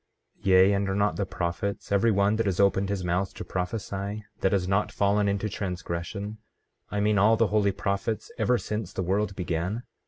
15:13 Yea, and are not the prophets, every one that has opened his mouth to prophesy, that has not fallen into transgression, I mean all the holy prophets ever since the world began?